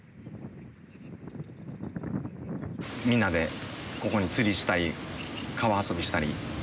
みんなでここで釣りしたり川遊びしたり。